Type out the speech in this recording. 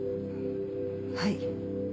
はい。